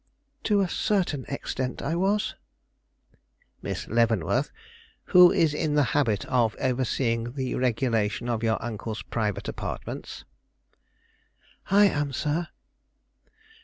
"To a certain extent I was." "Miss Leavenworth, who is in the habit of overseeing the regulation of your uncle's private apartments?" "I am, sir."